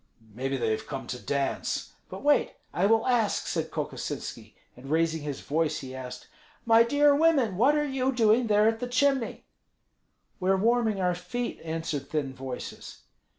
"Maybe they have come to dance." "But wait; I will ask," said Kokosinski. And raising his voice, he asked, "My dear women, what are you doing there at the chimney?" "We are warming our feet," answered thin voices.